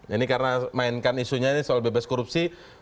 ini karena mainkan isunya ini soal bebas korupsi